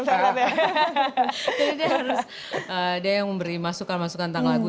jadi dia harus dia yang memberi masukan masukan tentang lagu